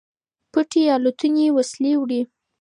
پټې الوتنې وسلې وړي.